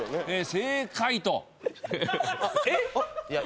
正解とえ？